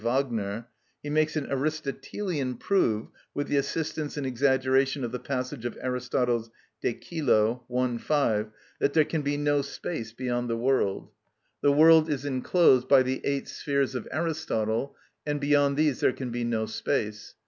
Wagner), he makes an Aristotelian prove (with the assistance and exaggeration of the passage of Aristotle's De Cœlo, i. 5) that there can be no space beyond the world. The world is enclosed by the eight spheres of Aristotle, and beyond these there can be no space.